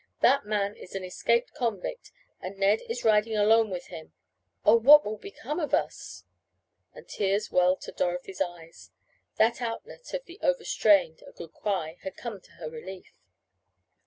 That man is an escaped convict, and Ned is riding alone with him Oh, what will become of us?" and tears welled to Dorothy's eyes. That outlet of the overstrained a good cry had come to her relief.